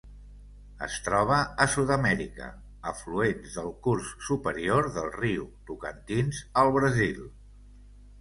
Es troba a Sud-amèrica: afluents del curs superior del riu Tocantins al Brasil.